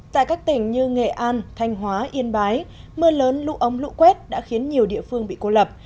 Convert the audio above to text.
tại các tỉnh như nghệ an thanh hóa yên bái mưa lớn lũ ống lũ quét đã khiến nhiều địa phương bị cô lập